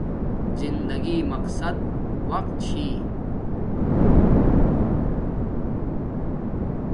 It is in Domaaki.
زندگی مقصد وقت چھی